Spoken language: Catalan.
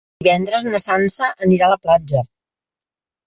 Divendres na Sança anirà a la platja.